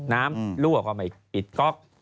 น้ำลั่วก็ไม่ปิดก๊อก